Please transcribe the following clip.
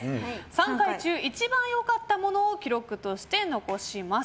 ３回中一番よかったものを記録として残します。